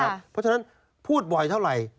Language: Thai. เพราะฉะนั้นพูดบ่อยเท่าไหร่